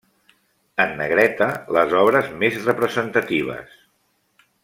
En negreta, les obres més representatives.